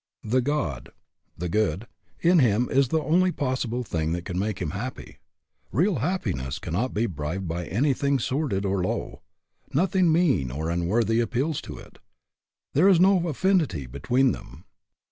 The God (the good) in him is the only possible thing that can make him happy. Real happiness cannot be bribed by anything 148 HAPPY ? IF NOT, WHY NOT? sordid or low. Nothing mean or unworthy appeals to it. There is no affinity between them.